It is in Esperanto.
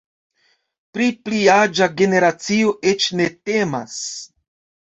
Pri pli aĝa generacio eĉ ne temas.